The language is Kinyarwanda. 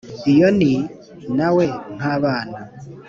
iyo ni “ na we” nk’abana